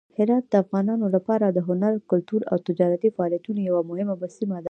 هرات د افغانانو لپاره د هنر، کلتور او تجارتي فعالیتونو یوه مهمه سیمه ده.